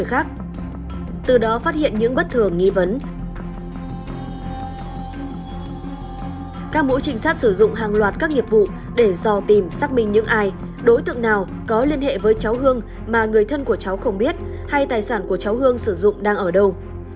các mũi trinh sát sử dụng hàng loạt các nghiệp vụ để dò tìm xác minh những ai đối tượng nào có liên hệ với cháu hương mà người thân của cháu không biết hay tài sản của cháu hương sử dụng đang ở đâu